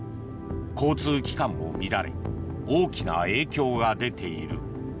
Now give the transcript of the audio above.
交通機関も乱れ大きな影響が出ている。